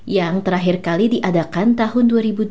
yang terakhir kali diadakan tahun dua ribu dua